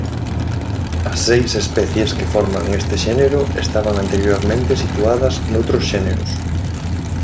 As seis especies que forman este xénero estaban anteriormente situadas noutros xéneros.